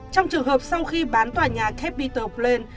trong trường hợp sau khi bán tòa nhà capital bland